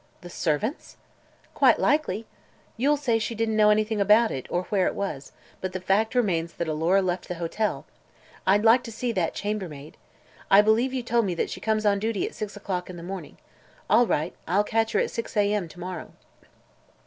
"The servants'!" "Quite likely. You'll say she didn't know anything about it, or where it was; but the fact remains that Alora left the hotel. I'd like to see that chambermaid. I believe you told me she comes on duty at six o'clock in the morning. All right. I'll catch her at six a. m. to morrow."